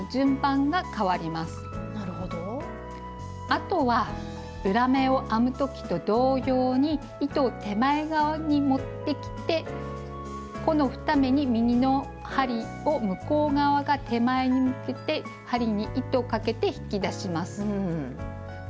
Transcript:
あとは裏目を編む時と同様に糸を手前側に持ってきてこの２目に右の針を向こう側から手前に向けて針に糸をかけて引き出します。